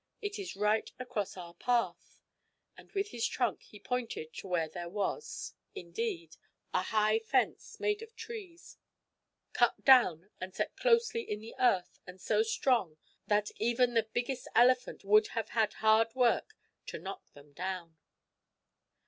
It is right across our path," and with his trunk he pointed to where there was, indeed, a high fence made of trees, cut down and set closely in the earth and so strong that even the biggest elephant would have had hard work to knock them down.